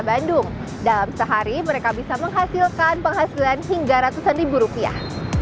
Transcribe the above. bandung dalam sehari mereka bisa menghasilkan penghasilan hingga ratusan ribu rupiah